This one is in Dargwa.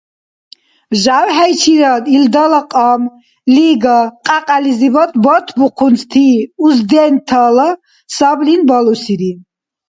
ЖявхӀейчибад илдала кьам лига-кьякьялизиб батбухъунти уздентала саблин балусири.